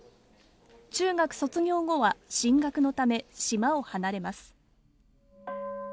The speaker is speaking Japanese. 中学卒業後は進学のため島を離れます